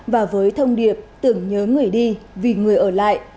và với thông điệp tưởng nhớ người đi vì người ở lại